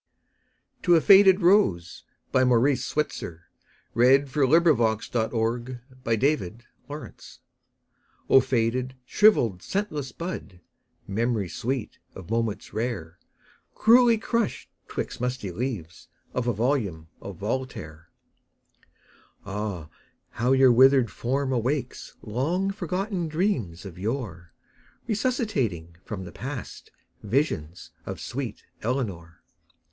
s as neat and trim as you, From the coast of Maine to Kismayu" 38 To a Faded Rose o FADED, shrivelled, scentless bud, Mem'ry sweet of moments rare, Cruelly crushed 'twixt musty leaves Of a volume of Voltaire ! Ah, how your withered form awakes Long forgotten dreams of yore Resuscitating from the past Visions of sweet Eleanor!